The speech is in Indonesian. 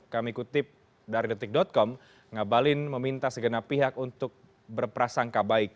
kami kutip dari detik com ngabalin meminta segenap pihak untuk berprasangka baik